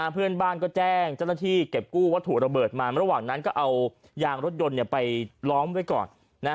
เพื่อนบ้านก็แจ้งเจ้าหน้าที่เก็บกู้วัตถุระเบิดมาระหว่างนั้นก็เอายางรถยนต์ไปล้อมไว้ก่อน